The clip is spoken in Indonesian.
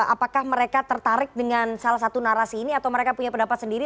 apakah mereka tertarik dengan salah satu narasi ini atau mereka punya pendapat sendiri